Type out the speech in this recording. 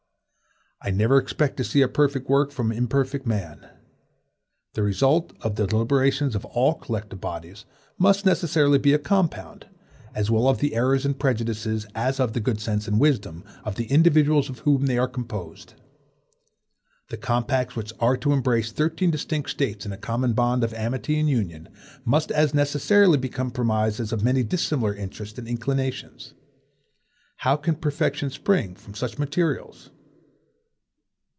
I never expect to see a perfect work from imperfect man. The result of the deliberations of all collective bodies must necessarily be a compound, as well of the errors and prejudices, as of the good sense and wisdom, of the individuals of whom they are composed. The compacts which are to embrace thirteen distinct States in a common bond of amity and union, must as necessarily be a compromise of as many dissimilar interests and inclinations. How can perfection spring from such materials?